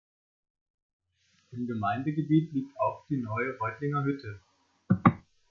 Im Gemeindegebiet liegt auch die "Neue Reutlinger Hütte.